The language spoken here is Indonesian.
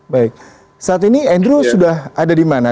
baik saat ini andrew sudah ada di mana